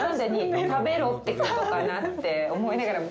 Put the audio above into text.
食べろってことかなって思いながらも。